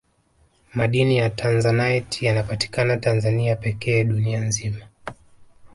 madini ya tanzanite yanapatikana tanzania pekee dunia nzima